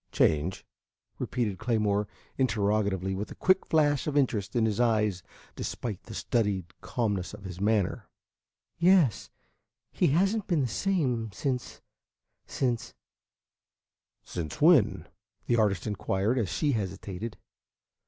"Change?" repeated Claymore interrogatively, with a quick flash of interest in his eyes despite the studied calmness of his manner. "Yes. He has n't been the same since since " "Since when?" the artist inquired, as she hesitated.